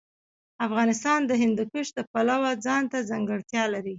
افغانستان د هندوکش د پلوه ځانته ځانګړتیا لري.